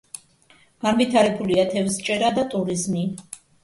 განვითარებულია თევზჭერა და ტურიზმი.